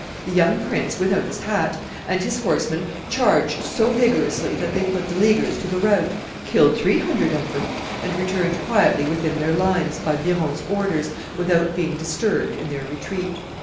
The young prince, without his hat, and his horsemen charged so vigorously that they put the Leaguers to the rout, killed three hundred of them, and returned quietly within their lines, by Biron's orders, without being disturbed in their retreat.